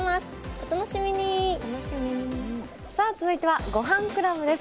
お楽しみにお楽しみにさあ続いてはごはんクラブです